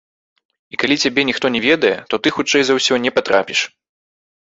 І калі цябе ніхто не ведае, то ты хутчэй за ўсё не патрапіш.